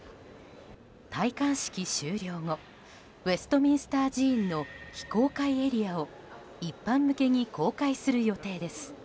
戴冠式終了後ウェストミンスター寺院の非公開エリアを一般向けに公開する予定です。